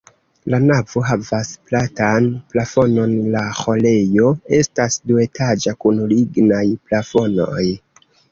La navo havas platan plafonon, la ĥorejo estas duetaĝa kun lignaj plafonoj.